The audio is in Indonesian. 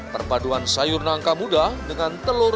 perpaduan sayur nangka muda dengan telur